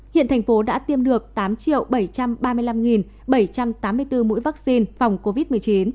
hiện thành phố đã tiêm được tám bảy trăm ba mươi năm bảy trăm tám mươi bốn mũi vaccine phòng covid một mươi chín